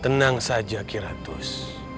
tenang saja kiratus